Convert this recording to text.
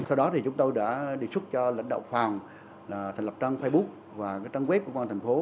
sau đó thì chúng tôi đã đề xuất cho lãnh đạo phòng thành lập trang facebook và trang web của công an thành phố